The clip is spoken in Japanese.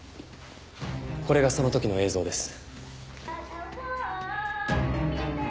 これがその時の映像です。